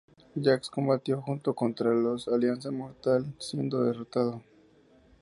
Jax combatió junto a los contra la Alianza Mortal, siendo derrotado.